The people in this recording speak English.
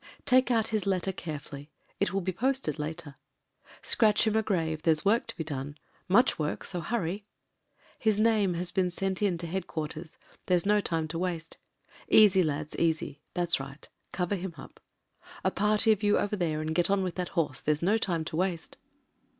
Take out his letter carefully — it will be posted later. Scratch him a grave, there's work to be done — much work, so hurry. His name has been sent in to head quarters — ^there's no time to waste. Easy, lads, easy — that's right— cover him up. A party of you over there and get on with that horse — there's no Hme to zvaste.